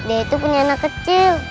dia itu punya anak kecil